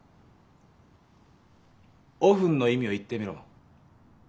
オフンの意味を言ってみろ。